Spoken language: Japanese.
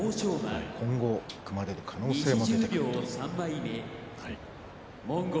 今後組まれる可能性も出てきます。